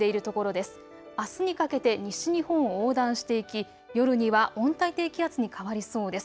あすにかけて西日本を横断していき夜には温帯低気圧に変わりそうです。